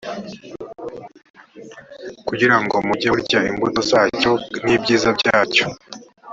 kugira ngo mujye murya imbuto zacyo n ibyiza byacyo